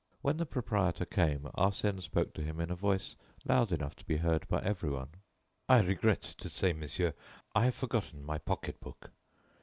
When the proprietor came, Arsène spoke to him in a voice loud enough to be heard by everyone: "I regret to say, monsieur, I have forgotten my pocketbook.